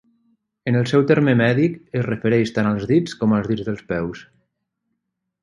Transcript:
En el seu terme mèdic, es refereix tant als dits com als dits dels peus.